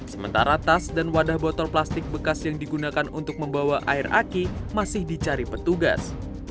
sementara tas dan wadah botol plastik bekas yang digunakan untuk membawa air aki masih dicari petugas